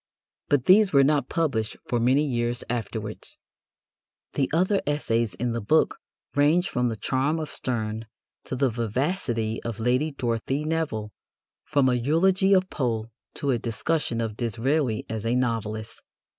But these were not published for many years afterwards. The other essays in the book range from the charm of Sterne to the vivacity of Lady Dorothy Nevill, from a eulogy of Poe to a discussion of Disraeli as a novelist.